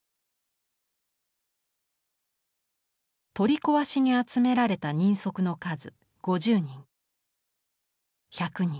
「取り壊しに集められた人足の数５０人１００人。